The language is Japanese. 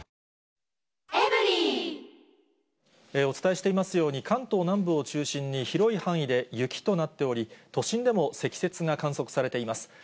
お伝えしていますように、関東南部を中心に、広い範囲で雪となっており、都心でも積雪が観測されています。